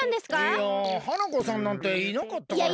いや花子さんなんていなかったから。